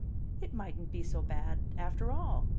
It mightn't be so bad, after all.